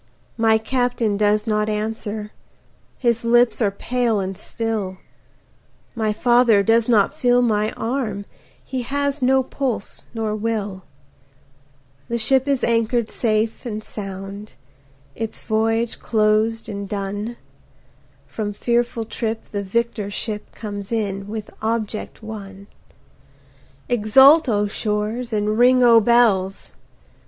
My Captain does not answer, his lips are pale and still, My father does not feel my arm, he has no pulse nor will, The ship is anchor'd safe and sound, its voyage closed and done, From fearful trip the victor ship comes in with object won; Exult O shores and ring O bells!